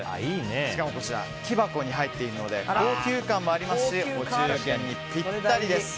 しかもこちら木箱に入っているので高級感もありますしお中元にぴったりです。